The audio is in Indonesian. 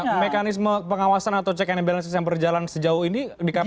apakah mekanisme pengawasan atau check and balances yang berjalan sejauh ini di kpk